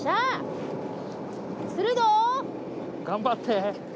頑張って。